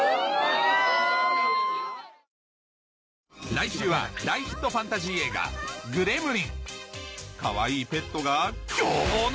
来週は大ヒットファンタジー映画どわ‼